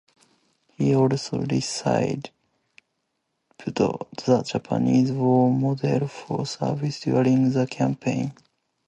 He also received the Japanese War medal for service during that campaign.